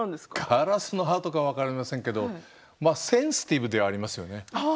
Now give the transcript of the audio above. ガラスのハートか分かりませんけどセンシティブではありますよね。